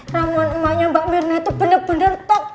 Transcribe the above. ramon emaknya mbak minah tuh bener bener top